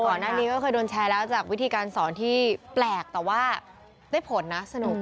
ก่อนหน้านี้ก็เคยโดนแชร์แล้วจากวิธีการสอนที่แปลกแต่ว่าได้ผลนะสนุก